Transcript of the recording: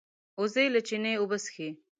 وزې له چینې اوبه څښي